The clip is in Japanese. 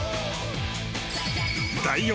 第４